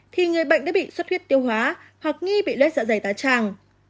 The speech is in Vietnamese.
thì người bệnh đã bị xuất huyết tiêu hóa hoặc nghi bị lết dạ dày tá tràng